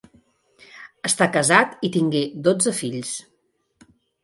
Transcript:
Està casat i tingué dotze fills.